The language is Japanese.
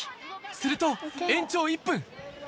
すると、延長１分。